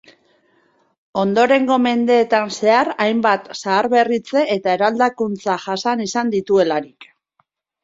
Ondorengo mendeetan zehar hainbat zaharberritze eta eraldakuntza jasan izan dituelarik.